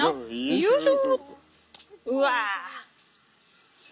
よいしょ。